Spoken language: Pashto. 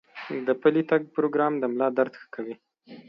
د پلي تګ پروګرام د ملا درد ښه کوي.